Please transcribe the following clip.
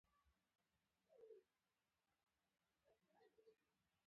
پړانګ د خپل قلمرو مالک دی.